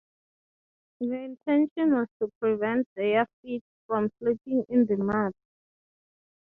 The intention was to prevent their feet from slipping in the mud.